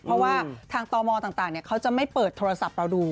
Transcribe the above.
เพราะว่าทางตมต่างเขาจะไม่เปิดโทรศัพท์เราดู